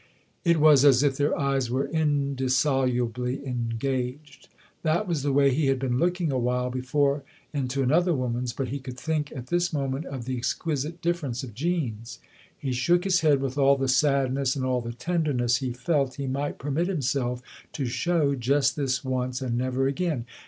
It was as if their eyes were indissolubly engaged. That was the way he had been looking a while before into another woman's, but he could think at this moment of the exquisite difference of Jean's. He shook his head with all the sadness and all the tenderness he felt he might permit himself to show just this once and never again.